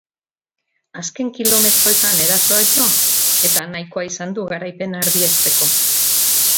Azken kilometroetan erasoa jo, eta nahikoa izan du garaipena erdiesteko.